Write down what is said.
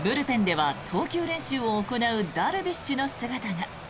ブルペンでは投球練習を行うダルビッシュの姿が。